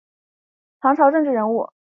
唐朝政治人物。